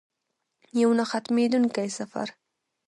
یو نه ختمیدونکی سفر.